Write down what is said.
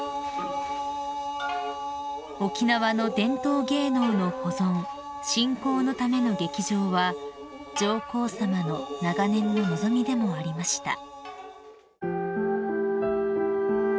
［沖縄の伝統芸能の保存振興のための劇場は上皇さまの長年の望みでもありました］